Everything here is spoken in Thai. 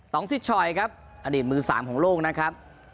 สิทธิ์ชอยครับอดีตมือ๓ของโลกนะครับ